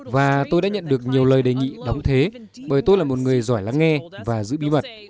và tôi đã nhận được nhiều lời đề nghị đóng thế bởi tôi là một người giỏi lắng nghe và giữ bí mật